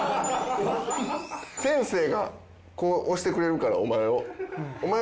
先生がこう押してくれるからお前を。